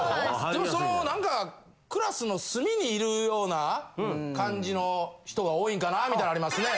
でもその何かクラスの隅にいるような感じの人が多いんかなみたいなんありますね。